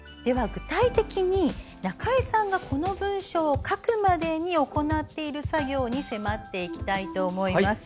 具体的に中江さんがこの文章を書くまでに行っている作業に迫っていきたいと思います。